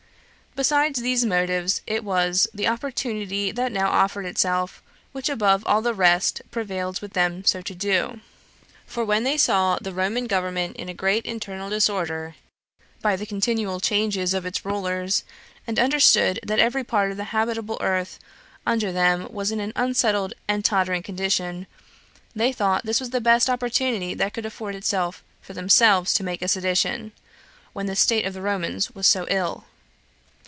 Besides these motives, it was the opportunity that now offered itself, which above all the rest prevailed with them so to do; for when they saw the Roman government in a great internal disorder, by the continual changes of its rulers, and understood that every part of the habitable earth under them was in an unsettled and tottering condition, they thought this was the best opportunity that could afford itself for themselves to make a sedition, when the state of the Romans was so ill.